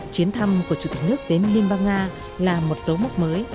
chuyến thăm của chủ tịch nước đến liên bang nga là một dấu mốc mới